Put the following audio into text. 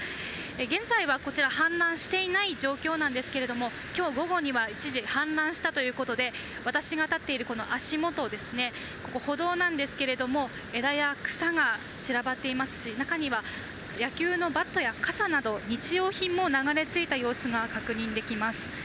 現在はこちら、氾濫していない状況なんですけれども、今日午後には一時、氾濫したということで、私が立っているこの足元、ここは歩道なんですけれども、枝や草が散らばっていますし、中には野球のバットや傘など、日用品も流れ着いた様子が確認できます。